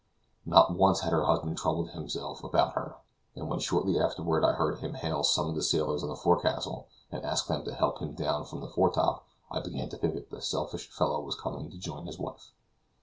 Not once had her husband troubled himself about her; but when shortly afterward I heard him hail some of the sailors on the fore castle and ask them to help him down from the foretop, I began to think that the selfish fellow was coming to join his wife.